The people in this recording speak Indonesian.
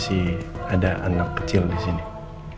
sekarang saya mulai di rain smb